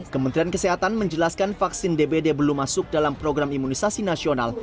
kementerian kesehatan menjelaskan vaksin dbd belum masuk dalam program imunisasi nasional